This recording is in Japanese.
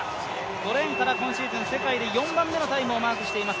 ５レーンから今シーズン世界で４番目のタイムを記録しています